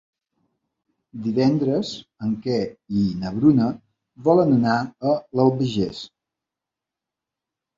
Divendres en Quer i na Bruna volen anar a l'Albagés.